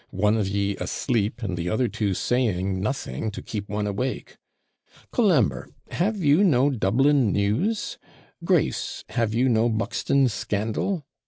One of ye asleep, and the other two saying nothing, to keep one awake. Colambre, have you no Dublin news? Grace, have you no Buxton scandal?